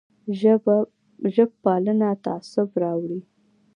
ژب پالنه تعصب راوړي